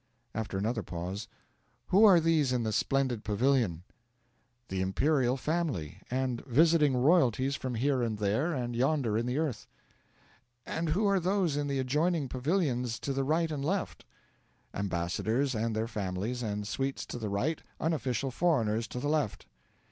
After another pause: 'Who are these in the splendid pavilion?' 'The imperial family, and visiting royalties from here and there and yonder in the earth.' 'And who are those in the adjoining pavilions to the right and left?' 'Ambassadors and their families and suites to the right; unofficial foreigners to the left.'